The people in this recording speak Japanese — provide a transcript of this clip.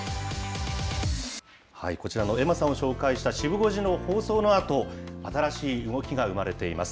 こちらのエマさんを紹介したシブ５時の放送のあと、新しい動きが生まれています。